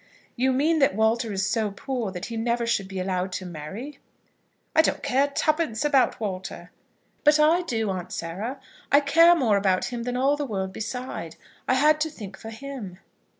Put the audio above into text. "You mean that Walter is so poor, that he never should be allowed to marry." "I don't care twopence about Walter." "But I do, Aunt Sarah. I care more about him than all the world beside. I had to think for him."